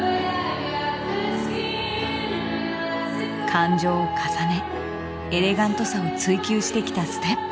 感情を重ねエレガントさを追求してきたステップ。